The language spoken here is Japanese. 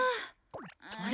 あれ？